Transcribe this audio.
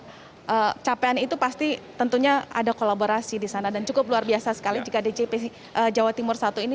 jadi capean itu pasti tentunya ada kolaborasi di sana dan cukup luar biasa sekali jika djp jawa timur i ini